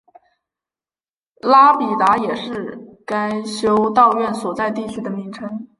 拉比达也是该修道院所在地区的名称。